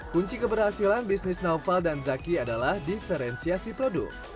kunci keberhasilan bisnis naufal dan zaki adalah diferensiasi produk